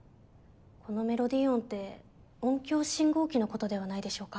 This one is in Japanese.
このメロディ音って音響信号機のことではないでしょうか？